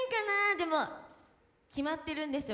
でも決まってるんですよ